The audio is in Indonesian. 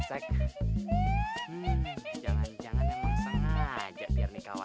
akhirnya gak hilang juga